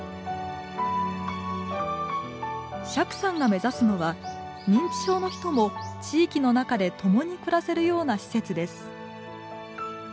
釈さんが目指すのは認知症の人も地域の中で共に暮らせるような施設です。